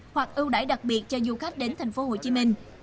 hoặc ưu đải đặc biệt cho du khách đến tp hcm